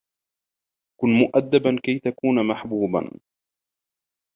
كُنْ مُؤَدَّبًا كَيْ تَكُونَ مَحْبُوبًا.